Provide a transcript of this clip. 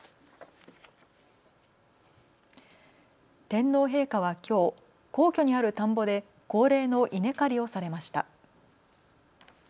天皇陛下はきょう皇居にある田んぼで恒例の稲刈りをされました。